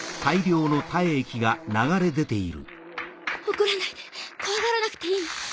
怒らないで怖がらなくていいの。